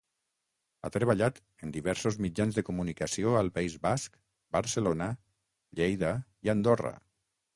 Ha treballat en diversos mitjans de comunicació al País Basc, Barcelona, Lleida i Andorra.